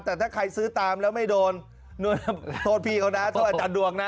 แต่ถ้าใครซื้อตามแล้วไม่โดนโทษพี่เขานะโทษอาจารย์ดวงนะ